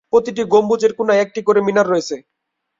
প্রতিটি গম্বুজের কোণায় একটি করে মিনার রয়েছে।